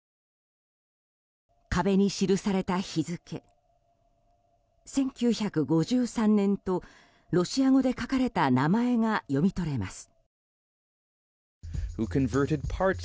壁に記された日付１９５３年とロシア語で書かれた名前が読み取れます。